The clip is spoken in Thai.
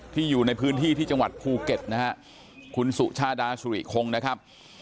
อยู่ในพื้นที่ที่จังหวัดภูเก็ตนะฮะคุณสุชาดาสุริคงนะครับ